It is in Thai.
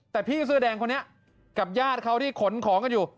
แต่พี่เสื้อแดงคนนี้กับญาติเขาที่ขนของกันอยู่